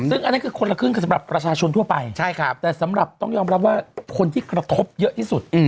ซึ่งอันนั้นคือคนละครึ่งคือสำหรับประชาชนทั่วไปแต่สำหรับต้องยอมรับว่าคนที่กระทบเยอะที่สุด